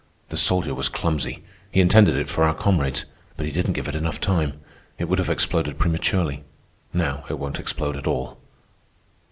The soldier was clumsy. He intended it for our comrades, but he didn't give it enough time. It would have exploded prematurely. Now it won't explode at all."